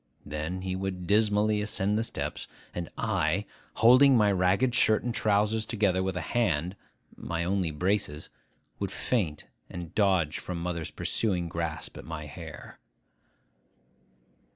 Then he would dismally ascend the steps; and I, holding my ragged shirt and trousers together with a hand (my only braces), would feint and dodge from mother's pursuing grasp at my hair.